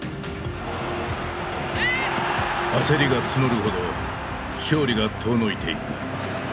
焦りが募るほど勝利が遠のいていく。